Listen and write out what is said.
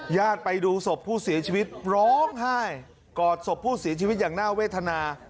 ญาติไปดูศพผู้เสียชีวิตร้องไห้กอดศพผู้เสียชีวิตอย่างน่าเวทนา